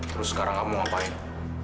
terus sekarang kamu ngapain